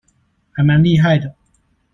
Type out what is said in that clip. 還蠻厲害的